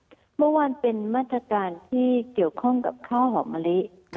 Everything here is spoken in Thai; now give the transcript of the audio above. เมื่อวานเป็นมาตรการที่เกี่ยวข้องกับข้าวหอมมะลิ